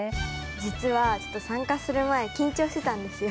実はちょっと参加する前緊張してたんですよ。